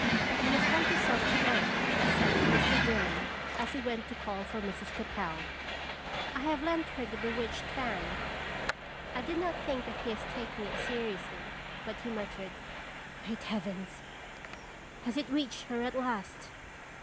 "You must guard yourself to night," I said to Mr. Dillon, as we went to call for Mrs. Seconb OTarb toins." 253 Capel. " I have lent her the bewitched fan." 1 did not think of his taking it seriously ; but he muttered :" Great heavens ! has it reached her at last?"